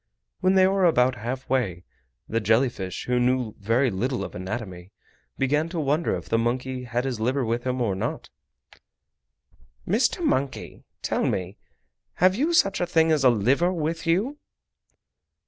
When they were about half way, the jelly fish, who knew very little of anatomy, began to wonder if the monkey had his liver with him or not! "Mr. Monkey, tell me, have you such a thing as a liver with you?"